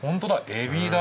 エビだ。